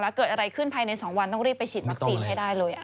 เกิดอะไรขึ้นภายใน๒วันต้องรีบไปฉีดวัคซีนให้ได้เลย